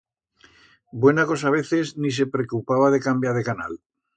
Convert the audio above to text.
Buena cosa veces ni se precupaba de cambiar de canal.